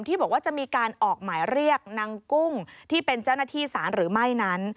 ที่บอกว่าจะมีการออกหมายเรียกนางกุ้งที่เป็นเจ้าหน้าที่สารหรือไม่นั้น